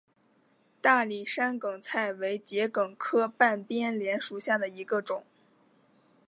大理山梗菜为桔梗科半边莲属下的一个种。